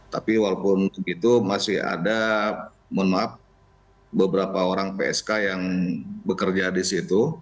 tapi walaupun begitu masih ada mohon maaf beberapa orang psk yang bekerja di situ